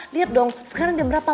lihat dong sekarang jam berapa